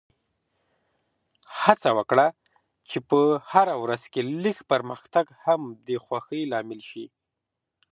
هڅه وکړه چې په هره ورځ کې لږ پرمختګ هم د خوښۍ لامل شي.